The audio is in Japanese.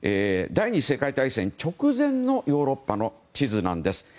第２次世界大戦直前のヨーロッパの地図なんです。